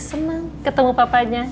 senang ketemu papanya